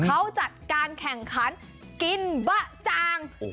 เขาจัดการแข่งขันกินบะจาง